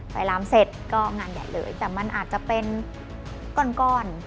ลามเสร็จก็งานใหญ่เลยแต่มันอาจจะเป็นก่อน